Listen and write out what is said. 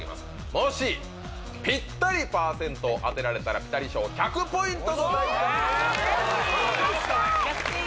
もしピッタリパーセント当てられたらピタリ賞１００ポイントの大チャンス。